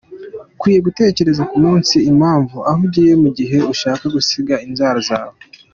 Ukwiye gutekereza ku munsi, impamvu, aho ugiye mu gihe ushaka gusiga inzara zawe.